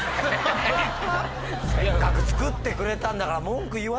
せっかく作ってくれたんだから。